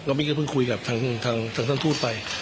มิ้นก็เพิ่งคุยกับทางท่านทูตไป